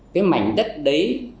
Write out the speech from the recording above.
cái mảnh đất đấy